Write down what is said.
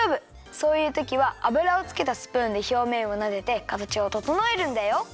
そういうときは油をつけたスプーンでひょうめんをなでてかたちをととのえるんだよ。